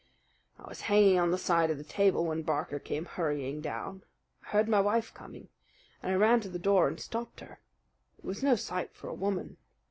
"I was hanging on the side of the table when Barker came hurrying down. I heard my wife coming, and I ran to the door and stopped her. It was no sight for a woman.